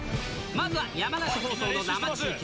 まずは山梨放送の生中継。